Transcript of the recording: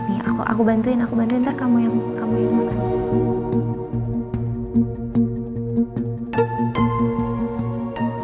nih aku bantuin ntar kamu yang nge man